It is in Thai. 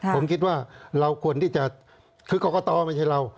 ผมคิดว่าเราควรที่จะคือกรกตไม่ใช่เรา